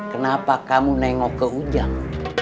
kenapa kamu nengok ke ujang